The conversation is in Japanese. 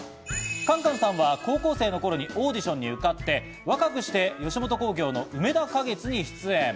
カンカンさんは高校生の頃にオーディションに受かって、若くして吉本興業のうめだ花月に出演。